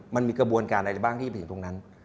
มันมีกระบวนการอะไรบ้างที่ไปถึงตรงนั้น